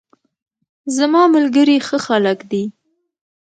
زماملګري ښه خلګ دي